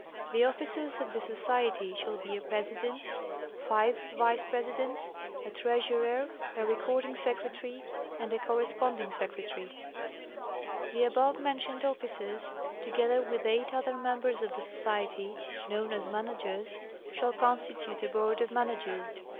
The Officers of the Society shall be a President, five Vice Presidents, a Treasurer, a Recording Secretary, and a Correspond ing Secretary oe 306 National Geographic Magazine. The above mentioned officers, together with eight other mem bers of the Society, known as Managers, shall constitute a Board of Managers.